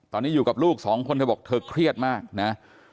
ตอนนี้อยู่กับลูกสองคนเธอบอกเธอเครียดมากนะ